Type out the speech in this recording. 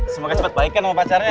semoga cepet baikan sama pacarnya